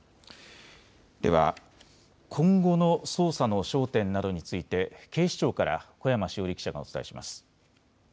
では今後の捜査の焦点などについて警視庁から小山志央理記者がお伝えします。